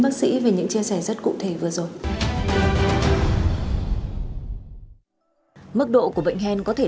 bác sĩ về những chia sẻ rất cụ thể vừa rồi